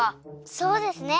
そうですね。